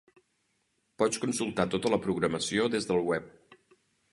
Pots consultar tota la programació des del web.